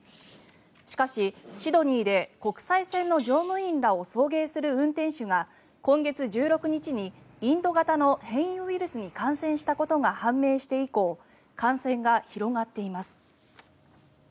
しかし、シドニーで国際線の乗務員らを送迎する運転手が今月１６日にインド型の変異ウイルスに感染したことが判明して以降感染が広がっています。